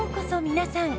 皆さん。